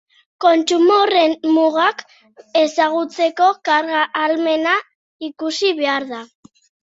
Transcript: Kontsumo horren mugak ezagutzeko karga ahalmena ikusi behar da.